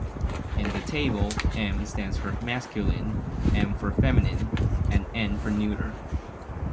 In the table, "m." stands for masculine, "f." for feminine, and "n." for neuter.